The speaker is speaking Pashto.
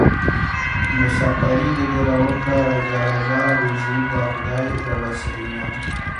مساپري دې ډېره وکړه راځه راځه روزي به خدای رارسوينه